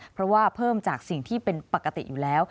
เพราะว่าเพิ่มจากสิ่งที่เป็นปกติอยู่แล้ว